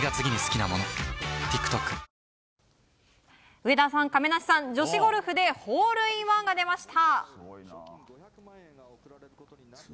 上田さん、亀梨さん女子ゴルフでホールインワンが出ました！